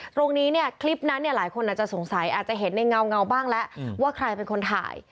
ตรงนี้เนี่ยคลิปนั้นเนี่ยหลายคนอาจจะสงสัยอาจจะเห็นในเงาบ้างแล้วว่าใครเป็นคนถ่าย